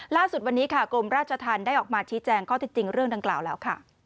ล่าสุดวันนี้ค่ะกรมราชธรรมได้ออกมาชี้แจงข้อเท็จจริงเรื่องดังกล่าวแล้วค่ะ